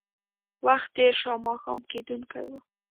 وخت تېر شو او ماښام کېدونکی و